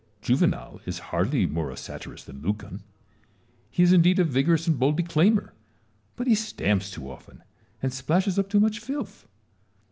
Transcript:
Juvenal is hardly more a satirist than Lucan : he is indeed a vigorous and bold declaimer, but he stamps too often, and splashes up too much filth.